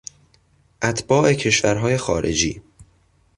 اتباع کشورهای خارجی